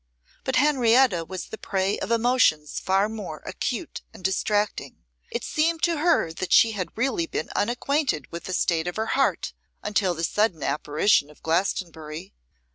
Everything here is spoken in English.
But Henrietta was the prey of emotions far more acute and distracting. It seemed to her that she had really been unacquainted with the state of her heart until this sudden apparition of Glastonbury.